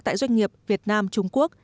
tại doanh nghiệp việt nam trung quốc